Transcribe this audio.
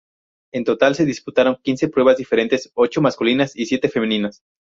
En total se disputaron quince pruebas diferentes, ocho masculinas y siete femeninas.